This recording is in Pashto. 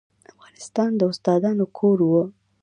افغانستان د استادانو کور و.